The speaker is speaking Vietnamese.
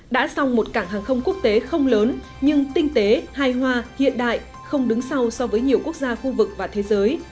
đã song một cảng hàng không quốc tế không lớn nhưng tinh tế hài hòa hiện đại không đứng sau so với nhiều quốc gia khu vực và thế giới